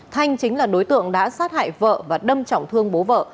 thanh chính là đối tượng đã sát hại vợ và đâm trọng thương bố vợ